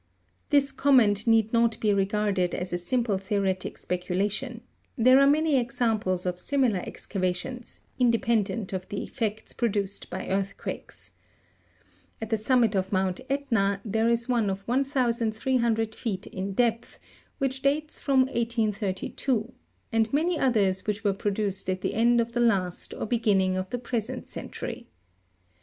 This comment need not be regarded as a simple theoretic speculation ; there are many examples of similar excavations, independent of the effects produced by earthquakes. At the summit of Mount Etna there is one of 1300 feet in depth, which dates from 1832, and many others which were produced at the end of the last or beginning of the present century.